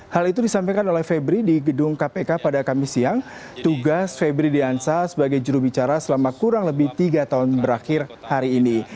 hal itu disampaikan oleh febri di gedung kpk pada kamis siang tugas febri diansa sebagai jurubicara selama kurang lebih tiga tahun berakhir hari ini